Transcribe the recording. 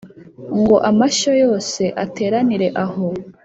ngo amashyo yose ateranire aho